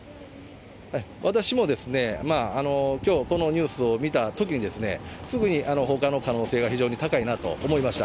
私もきょう、このニュースを見たときに、すぐに放火の可能性が非常に高いなと思いました。